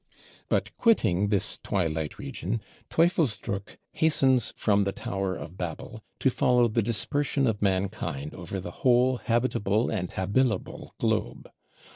But quitting this twilight region, Teufelsdröckh hastens from the Tower of Babel, to follow the dispersion of Mankind over the whole habitable and habilable globe.